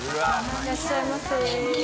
いらっしゃいませ。